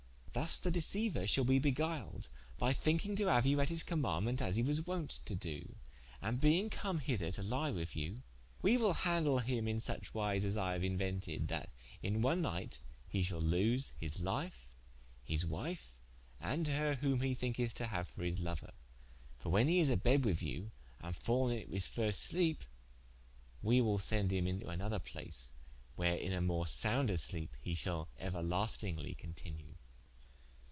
Thus the deceiuour shalbe begiled by thinkinge to haue you at his commaundment as he was wont to doe: and being come hither to lie with you, we will handle him in such wise, as I haue inuented, that in one nighte he shal lose his life, his wife, and her whom hee thinketh to haue for his louer: for when he is a bedde with you, and fallen into his first sleepe, we will sende him into another place where in a more sonder sleepe hee shall euerlastinglie continue."